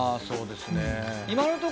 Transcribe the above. そうですね。